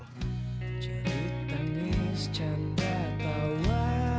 jadi tangis jangga tawa